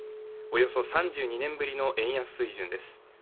およそ３２年ぶりの円安水準です。